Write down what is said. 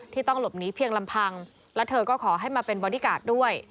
ต้องหลบหนีเพียงลำพังและเธอก็ขอให้มาเป็นบอดี้การ์ดด้วย